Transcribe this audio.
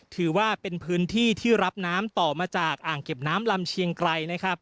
ถือว่าเป็นพื้นที่ที่รับน้ำต่อมาจากอ่างเก็บน้ำลำเชียงไกรนะครับ